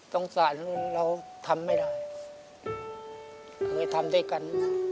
ต้องสารว่าเราทำไม่ได้ทำได้กัน